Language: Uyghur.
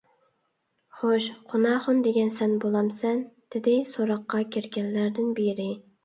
خوش، قۇناخۇن دېگەن سەن بولامسەن؟ _ دېدى سوراققا كىرگەنلەردىن بىرى.